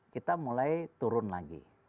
kita mulai turun lagi